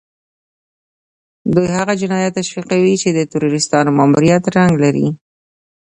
دوی هغه جنايات تشويقوي چې د تروريستانو ماموريت رنګ لري.